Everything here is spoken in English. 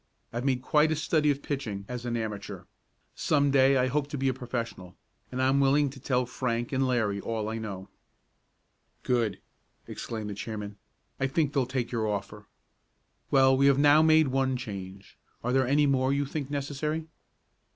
I've made quite a study of pitching as an amateur. Some day I hope to be a professional, and I'm willing to tell Frank and Larry all I know." "Good!" exclaimed the chairman. "I think they'll take your offer. Well, we have now made one change. Are there any more that you think necessary?"